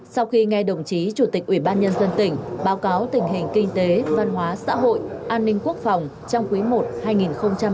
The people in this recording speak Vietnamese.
sau khi nghe đồng chí chủ tịch ủy ban nhân dân tỉnh báo cáo tình hình kinh tế văn hóa xã hội an ninh quốc phòng trong quý i hai nghìn một mươi chín